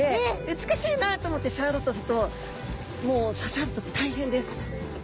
美しいなと思って触ろうとするともう刺さると大変です。